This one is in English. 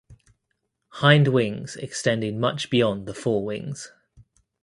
Hind wings extending much beyond the fore wings.